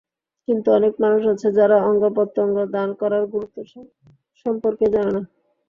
কিন্তু অনেক মানুষ আছে, যারা অঙ্গপ্রত্যঙ্গ দান করার গুরুত্ব সম্পর্কেই জানে না।